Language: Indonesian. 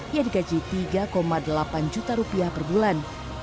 ia digaji tiga delapan juta rupiah per bulan